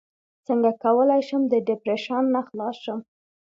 څنګه کولی شم د ډیپریشن نه خلاص شم